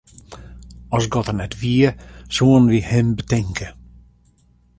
As God der net wie, soenen wy him betinke.